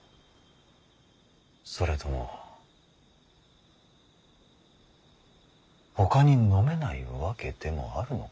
それともほかに飲めない訳でもあるのか。